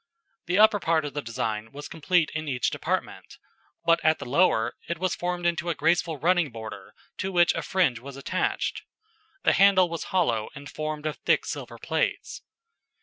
The upper part of the design was complete in each department, but at the lower, it was formed into a graceful running border, to which a fringe was attached. The handle was hollow and formed of thick silver plates.